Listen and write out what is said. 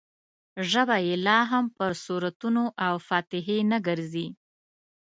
ژبه یې لا هم پر سورتونو او فاتحې نه ګرځي.